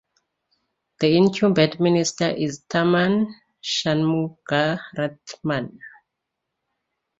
The incumbent minister is Tharman Shanmugaratnam.